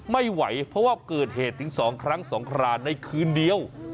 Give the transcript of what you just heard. ไม่ไหวเพราะว่าเกิดเหตุถึง๒ครั้ง๒ครานในคืนเดียว